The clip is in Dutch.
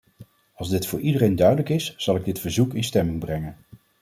Als dit voor iedereen duidelijk is zal ik dit verzoek in stemming brengen.